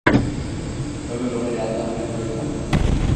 Ömer ona yandan bir göz attı.